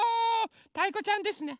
たいこちゃんですね。